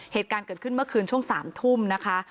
เหตุการณ์เกิดขึ้นเมื่อคืนช่วง๓ทุ่มนะคะ